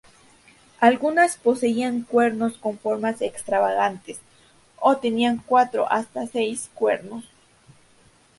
Algunas poseían cuernos con formas extravagantes, o tenían cuatro o hasta seis cuernos.